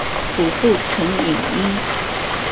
祖父陈尹英。